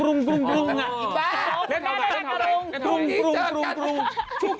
อังกฎรุงหรอ